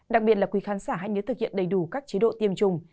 đặc biệt là quý khán giả hãy nhớ thực hiện đầy đủ các chế độ tiêm chủng